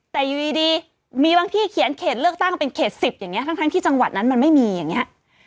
แต่อยู่ดีมีบางที่เขียนเขตเลือกตั้งเป็นเขต๑๐อย่างนี้ทั้งที่จังหวัดนั้นมันไม่มีอย่างนี้